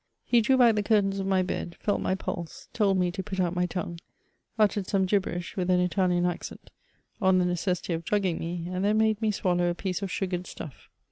He drew back the curtains of my bed, felt my pulse, told me to put out my tongue, uttered some gibberish, with an Italian accent, on the necessity of drugging me, and then made me swallow apiece of sugared stuff.